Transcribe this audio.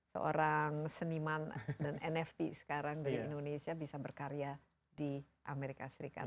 seorang seniman dan nft sekarang dari indonesia bisa berkarya di amerika serikat